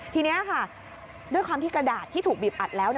ทีนี้ค่ะด้วยความที่กระดาษที่ถูกบีบอัดแล้ว